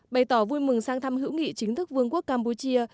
bày tỏ vui mừng sang thăm hữu nghị chính thức vương quốc campuchia